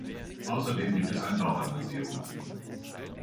Außerdem gibt es ein Bauernmuseum.